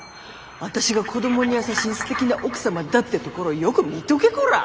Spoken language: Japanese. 私が子どもに優しいすてきな奥様だってところをよく見とけコラ。